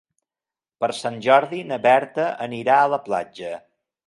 Per Sant Jordi na Berta anirà a la platja.